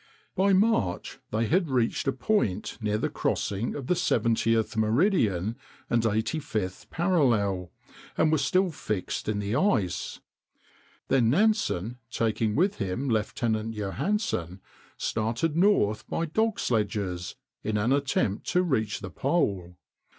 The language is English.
By March they had reached a point near the crossing of the 70th meridian and 85th parallel, and were still fixed in the ice. Then Nansen, taking with him Lieutenant Johansen, started north by dog sledges, in an attempt to reach the pole.